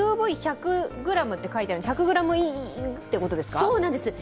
ＵＶ１００ｇと書いてある、１００ｇということなんですか。